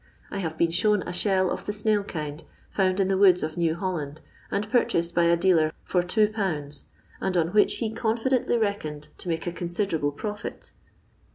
I have been shown a shell of the snail kind, found in the woods of New HolUnd, and purchased by a dealer for 2/., and on which he confidently reckoned to make a considerable profit.